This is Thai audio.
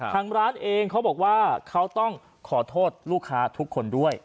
ทางร้านเองเขาบอกว่าเขาต้องขอโทษลูกค้าทุกคนด้วย